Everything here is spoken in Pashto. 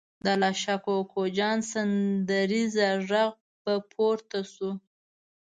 د الله شا کوکو جان سندریزه غږ به پورته شو.